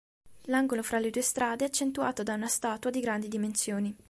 L’angolo fra le due strade è accentuato da una statua di grandi dimensioni.